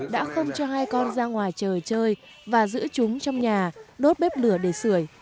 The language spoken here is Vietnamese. đã không cho hai con ra ngoài trời chơi và giữ chúng trong nhà đốt bếp lửa để sửa